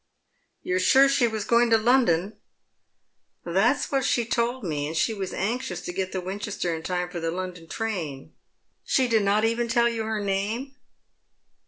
" You are sure she was going to London ?"" That is what she told me, and she was anxious to get to Winchester in time for the London train." " She did not even tell you her name